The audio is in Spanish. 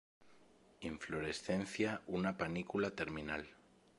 Inflorescencia una panícula terminal.